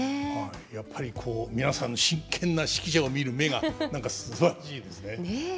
やっぱりこう皆さんの真剣な指揮者を見る目が何かすばらしいですね。